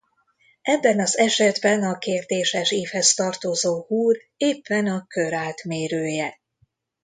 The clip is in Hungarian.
Ebben az esetben a kérdéses ívhez tartozó húr éppen a kör átmérője.